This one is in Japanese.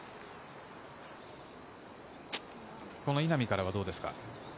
稲見からは、どうですか？